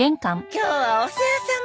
今日はお世話さま。